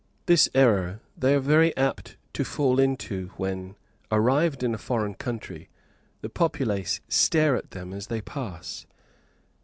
This error they are very apt to fall into when, arrived in a foreign country, the populace stare at them as they pass.